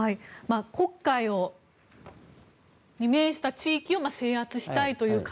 黒海に面した地域を制圧したいと。